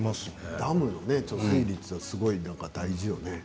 ダムの貯水率は大事よね